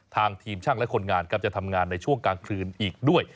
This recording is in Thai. ทางทีมช่างและคนงานครับจะทำงานในช่วงกลางคืนอีกด้วย